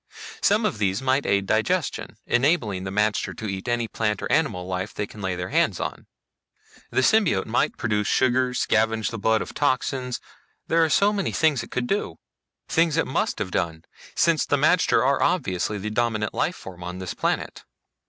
Some of these might aid digestion, enabling the magter to eat any plant or animal life they can lay their hands on. The symbiote might produce sugars, scavenge the blood of toxins there are so many things it could do. Things it must have done, since the magter are obviously the dominant life form on this planet.